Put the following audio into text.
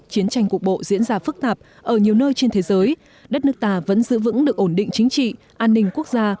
chiến tranh cục bộ diễn ra phức tạp ở nhiều nơi trên thế giới đất nước ta vẫn giữ vững được ổn định chính trị an ninh quốc gia